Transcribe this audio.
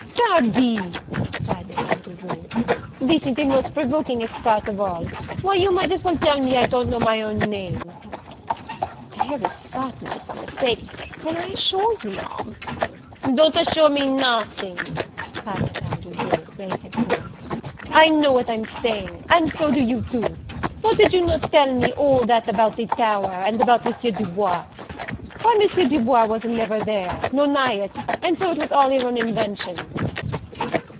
"Pardi," cried Madame Duval, "this is the most provokingest part of all! why, you might as well tell me I don't know my own name." "Here is certainly some mistake; for I assure you, Ma'am " "Don't assure me nothing," cried Madame Duval, raising her voice; "I know what I'm saying, and so do you too; for did not you tell me all that about the Tower, and about M. Du Bois? why M. Du Bois wasn't never there, nor nigh it, and so it was all your own invention."